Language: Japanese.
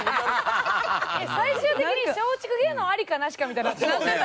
最終的に松竹芸能ありかなしかみたいに。